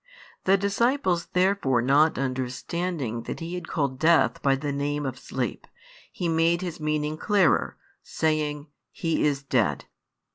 The disciples therefore not understanding that He had called death by the name of sleep, He made His meaning clearer, saying: He is dead.